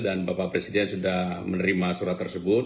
dan bapak presiden sudah menerima surat tersebut